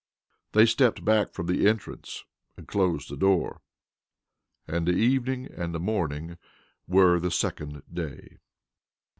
They stepped back from the entrance and closed the door. And the evening and the morning were the second day.